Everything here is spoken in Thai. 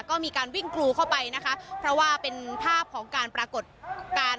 ก็มีการวิ่งกรูเข้าไปนะคะเพราะว่าเป็นภาพของการปรากฏการณ์